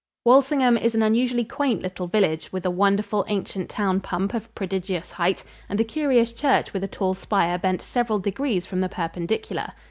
Walsingham is an unusually quaint little village, with a wonderful, ancient town pump of prodigious height and a curious church with a tall spire bent several degrees from the perpendicular.